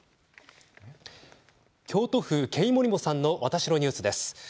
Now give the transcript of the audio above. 京都府ケイモリモさんの「わたしのニュース」です。